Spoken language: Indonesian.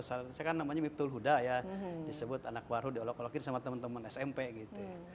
saya kan namanya miful huda ya disebut anak waru diolok olokin sama teman teman smp gitu